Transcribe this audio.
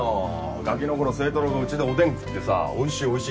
ガキの頃星太郎がうちでおでん食ってさおいしいおいしいっつって。